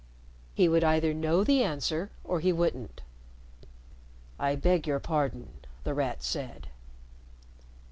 He would either know the answer or he wouldn't. "I beg your pardon," The Rat said.